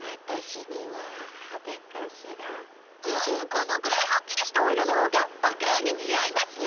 このくらいはっきりしたおいろのほうがおかおににあいますよ。